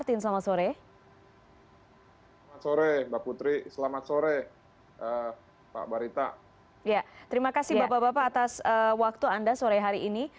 terima kasih bapak bapak atas waktu anda sore hari ini